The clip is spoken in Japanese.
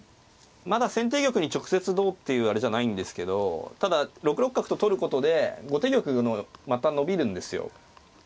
まだ先手玉に直接どうっていうあれじゃないんですけどただ６六角と取ることで後手玉のまた伸びるんですよ。